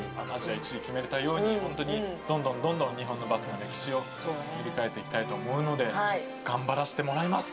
１位決めれたように、本当にどんどんどんどん日本のバスケの歴史を塗り替えていきたいと思うので、頑張らせてもらいます。